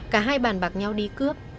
cả hai bàn bạc nhau đi cướp